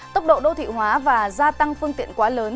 tốc độ đô thị hóa và gia tăng phương tiện quá lớn